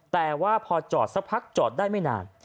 แต่ว่าพอจอดสักพักจอดได้ไม่นาน